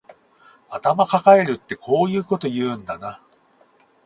頭かかえるってこういうこと言うんだな